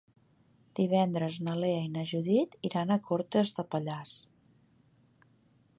Divendres na Lea i na Judit iran a Cortes de Pallars.